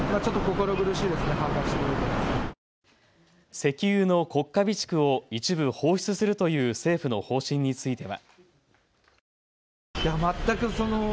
石油の国家備蓄を一部放出するという政府の方針については。